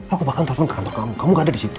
aku bahkan telepon ke kantor kamu kamu gak ada di situ